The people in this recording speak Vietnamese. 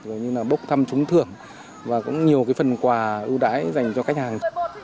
rồi như là bốc thăm trúng thưởng và cũng nhiều cái phần quà ưu đãi dành cho khách hàng